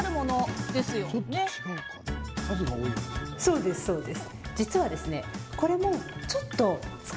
そうです、そうです。